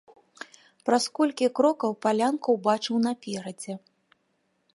Праз колькі крокаў палянку ўбачыў наперадзе.